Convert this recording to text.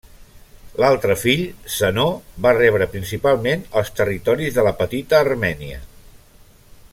L'altre fill, Zenó, va rebre principalment els territoris de la Petita Armènia.